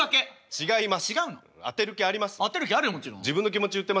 違います。